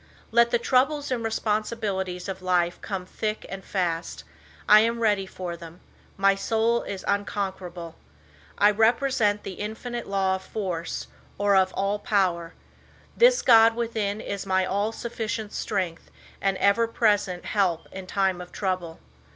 "Let the troubles and responsibilities of life come thick and fas t. I am ready for them. My soul is unconquerable. I represent the Infinite law of force, or of all power. This God within is my all sufficient strength and ever present he lp in time of trouble.